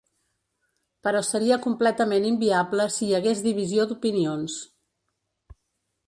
Però seria completament inviable si hi hagués divisió d’opinions.